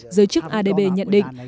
giới chức adb nhận định